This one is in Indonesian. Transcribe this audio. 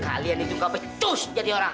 kalian itu kau betus jadi orang